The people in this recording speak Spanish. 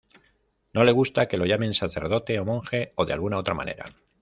No le gusta que lo llamen sacerdote o monje o de alguna otra manera.